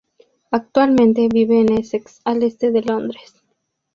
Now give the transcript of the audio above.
Actualmente vive en Essex al este de Londres.